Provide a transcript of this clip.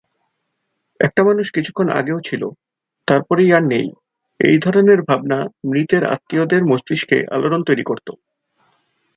একটা মানুষ কিছুক্ষণ আগেও ছিল, তারপরেই আর নেই, এই ধরনের ভাবনা মৃতের আত্মীয়দের মস্তিষ্কে আলোড়ন তৈরী করত।